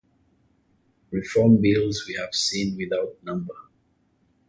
Reform bills we have seen without number.